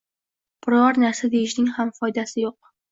Biror narsa deyishning foydasi ham yo`q